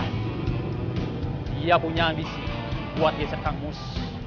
dia punya ambisi buat geser kang mus